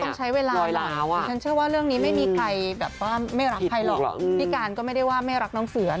ใช้เวลาล่ะดิฉันเชื่อว่าเรื่องนี้ไม่มีใครแบบว่าไม่รักใครหรอกพี่การก็ไม่ได้ว่าไม่รักน้องเสือ